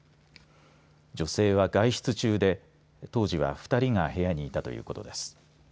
女性は外出中で当時は２人が部屋にいたということです。